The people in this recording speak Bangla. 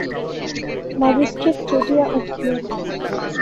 ম্যাজিস্ট্রেট চটিয়া উঠিলেন।